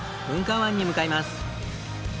噴火湾に向かいます。